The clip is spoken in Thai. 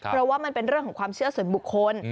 เพราะว่ามันเป็นเรื่องของความเชื่อส่วนบุคคล